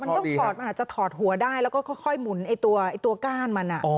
มันอาจจะถอดหัวได้และค่อยหมุนแก้นมา